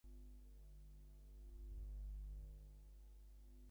নায়েব মহাশয়ের অভিপ্রায় অনতিবিলম্বে সফল হইল।